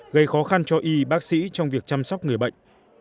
gây khó khăn cho y bác sĩ trong việc chăm sóc người bệnh